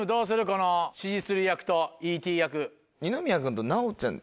この指示する役とＥ．Ｔ．役。